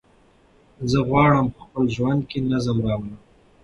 زه غواړم په خپل ژوند کې نظم راولم.